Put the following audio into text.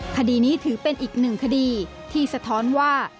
คดีนี้ถือเป็นอีกหนึ่งคดีที่สะท้อนว่า